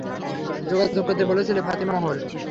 যোগাযোগ করতে বলছিলেন, ফাতিমা মহল।